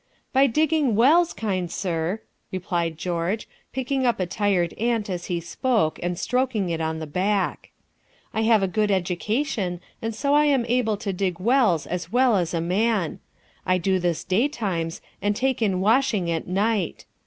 "By digging wells, kind sir," replied George, picking up a tired ant as he spoke and stroking it on the back. "I have a good education, and so I am able to dig wells as well as a man. I do this day times and take in washing at night.